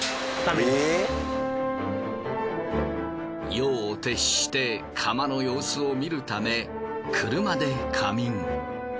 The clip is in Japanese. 夜を徹して窯の様子を見るため車で仮眠。